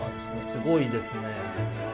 すごいですね。